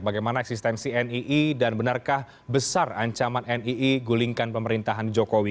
bagaimana eksistensi nii dan benarkah besar ancaman nii gulingkan pemerintahan jokowi